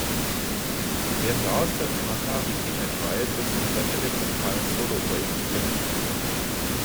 Während der Auszeit von Atari Teenage Riot wirkte sie bei Alec Empires Soloprojekten mit.